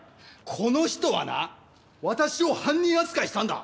この人はな私を犯人扱いしたんだ！